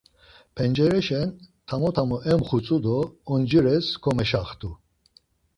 Pencereşen tamo tamo emxutzu do oncires komeşaxtu.